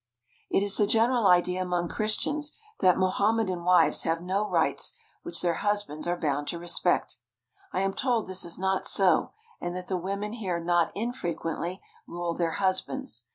It is the general idea among Christians that Moham medan wives have no rights which their husbands are bound to respect. I am told this is not so, and that the women here not infrequently rule their husbands.